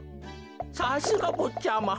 さすがぼっちゃま。